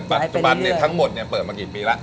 บัตรจุบันทั้งหมดเปิดมากี่ปีละ